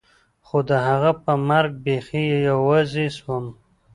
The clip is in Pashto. خو د هغه په مرګ بيخي يوازې سوم.